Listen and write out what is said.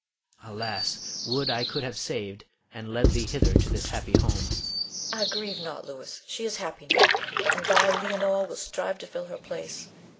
alas! would I could have saved, and led thee hither to this happy home. Leonore. Ah, grieve not, Louis; she is happy now, and thy Leonore will strive to fill her place.